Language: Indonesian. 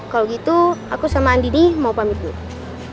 kalau gitu aku sama andini mau pamit dulu